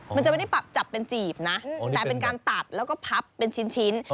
มันจะไม่ได้ปรับจับเป็นจีบนะแต่เป็นการตัดแล้วก็พับเป็นชิ้น